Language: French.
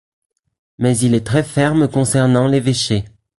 Mais il est très ferme concernant l'évêché.